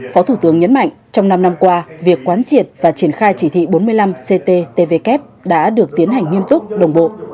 phó thủ tướng nhấn mạnh trong năm năm qua việc quán triệt và triển khai chỉ thị bốn mươi năm cttvk đã được tiến hành nghiêm túc đồng bộ